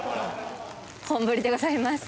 本降りでございます。